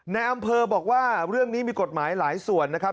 ในอำเภอบอกว่าเรื่องนี้มีกฎหมายหลายส่วนนะครับ